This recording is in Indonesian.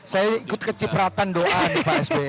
saya ikut kecipratan doa di pak sby